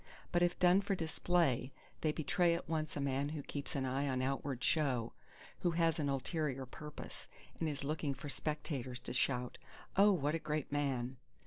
But if done for display, they betray at once a man who keeps an eye on outward show; who has an ulterior purpose, and is looking for spectators to shout, "Oh what a great man!"